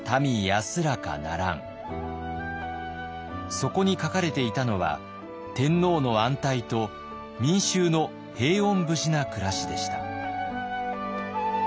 そこに書かれていたのは天皇の安泰と民衆の平穏無事な暮らしでした。